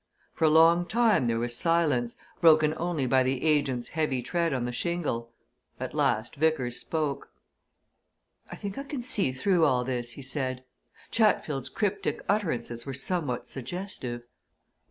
For a long time there was silence, broken only by the agent's heavy tread on the shingle at last Vickers spoke. "I think I can see through all this," he said. "Chatfield's cryptic utterances were somewhat suggestive.